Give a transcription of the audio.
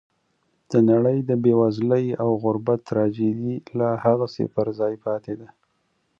د نړۍ د بېوزلۍ او غربت تراژیدي لا هغسې پر ځای پاتې ده.